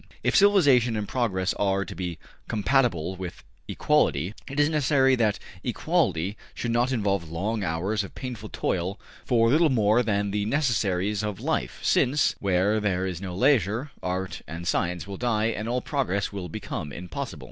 If civilization and progress are to be compatible with equality, it is necessary that equality should not involve long hours of painful toil for little more than the necessaries of life, since, where there is no leisure, art and science will die and all progress will become impossible.